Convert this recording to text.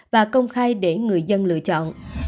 và công khai để người dân lựa chọn